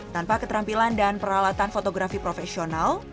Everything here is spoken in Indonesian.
tanpa keterampilan dan peralatan fotografi profesional